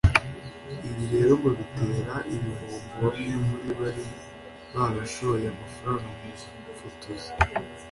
Ibi rero ngo bitera igihombo bamwe mu bari barashoye amafaranga mu bufotozi